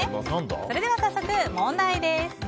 それでは早速問題です。